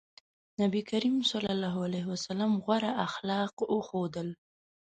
نبي کريم ص غوره اخلاق وښودل.